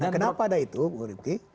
kenapa ada itu bu rity